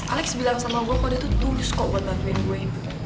alex bilang sama gue kok dia tuh tulus kok buat bantuin gue